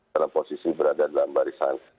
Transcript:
dalam posisi berada dalam barisan